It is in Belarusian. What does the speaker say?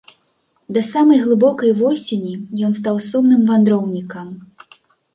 Да самай глыбокай восені ён стаў сумным вандроўнікам.